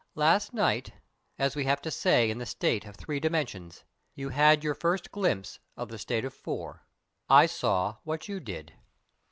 "Last night, as we have to say in the state of Three Dimensions, you had your first glimpse of the state of Four. I saw what you did."